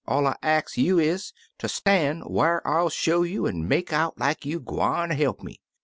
All I ax you is ter stan' whar I '11 show you an' make out you gwineter he'p mc.